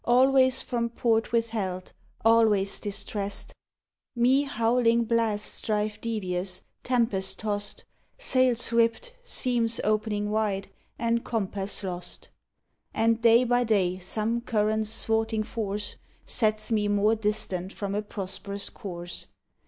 Always from port withheld, always distressed, — Me howling blasts drive devious, tempest tosse 1. Sails ripped, seams opening wide, and compass lost ; And day by day some current's thwarting force Sets me more distant from a prosperous course.